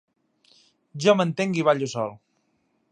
Jo m'entenc i ballo sol.